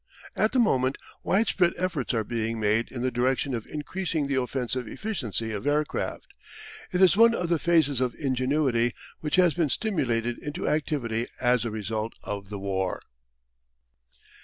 At the moment widespread efforts are being made in the direction of increasing the offensive efficiency of aircraft. It is one of the phases of ingenuity which has been stimulated into activity as a result of the war.